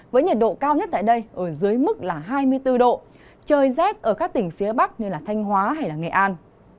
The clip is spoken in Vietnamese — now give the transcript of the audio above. với nhiệt độ cao nhất tại đây ở dưới mức là hai mươi bốn độ trời rét ở các tỉnh phía bắc như thanh hóa hay nghệ an